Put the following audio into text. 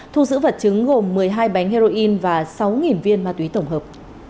thu giữ vật chứng gồm một mươi hai bánh heroin và sáu viên ma túy tổng hợp